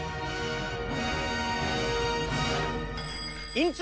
院長！